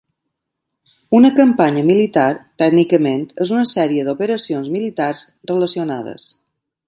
Una campanya militar, tècnicament, és una sèrie d'operacions militars relacionades.